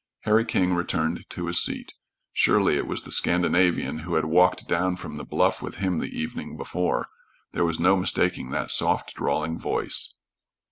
Harry King returned to his seat. Surely it was the Scandinavian who had walked down from the bluff with him the evening before. There was no mistaking that soft, drawling voice.